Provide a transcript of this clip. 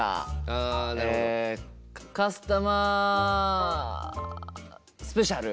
カスタマースペシャル。